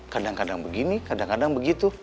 kadang kadang begini kadang kadang begitu